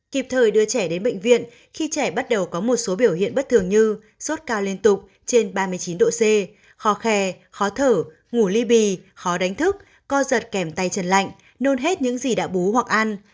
kịp thời đưa trẻ đến bệnh viện khi trẻ bắt đầu có một số biểu hiện bất thường như sốt cao liên tục trên ba mươi chín độ c khó khe khó thở ngủ ly bì khó đánh thức co giật kèm tay chân lạnh nôn hết những gì đã bú hoặc ăn